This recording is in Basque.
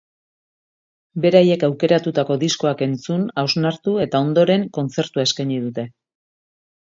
Beraiek aukeratutako diskoak entzun, hausnartu eta ondoren, kontzertua eskaini dute.